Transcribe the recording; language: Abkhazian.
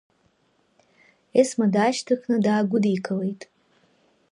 Есма даашьҭыхны даагәыдикылеит.